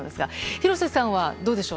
廣瀬さんはどうでしょう。